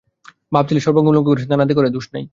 বাপ-ছেলেয় সর্বাঙ্গ উলঙ্গ করে স্নানাদি করে, দোষ নেই।